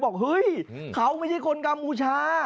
บอกเฮ้ยเขาไม่ใช่คนกัมพูชา